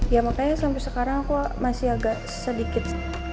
ya makanya sampai sekarang aku masih agak sedikit